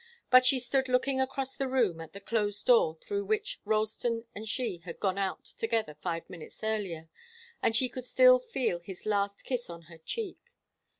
But she stood looking across the room at the closed door through which Ralston and she had gone out together five minutes earlier, and she could still feel his last kiss on her cheek.